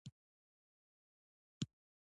هغه بیا بار ته لاړ.